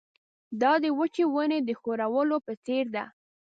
دا د وچې ونې د ښورولو په څېر ده.